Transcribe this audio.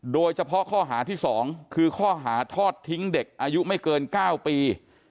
โดยเฉพาะข้อหาที่๒คือข้อหาทอดทิ้งเด็กอายุไม่เกิน๙ปี